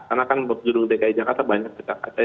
karena kan bergedung dki jakarta banyak acak acak